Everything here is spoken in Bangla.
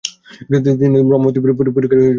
তিনি ব্রহ্মবাদী পত্রিকার প্রতিষ্ঠাতা সম্পাদক ছিলেন।